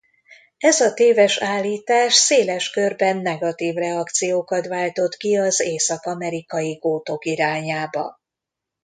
Ez a téves állítás széles körben negatív reakciókat váltott ki az észak-amerikai gótok irányába.